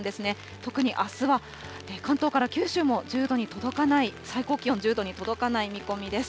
特にあすは関東から九州も１０度に届かない、最高気温１０度に届かない見込みです。